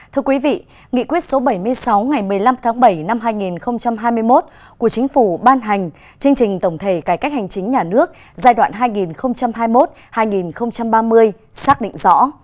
thưa quý vị nghị quyết số bảy mươi sáu ngày một mươi năm tháng bảy năm hai nghìn hai mươi một của chính phủ ban hành chương trình tổng thể cải cách hành chính nhà nước giai đoạn hai nghìn hai mươi một hai nghìn ba mươi xác định rõ